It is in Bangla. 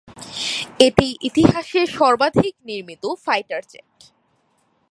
এটি ইতিহাসে সর্বাধিক নির্মিত ফাইটার জেট।